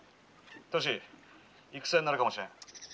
歳戦になるかもしれん」。